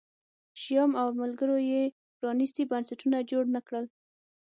شیام او ملګرو یې پرانیستي بنسټونه جوړ نه کړل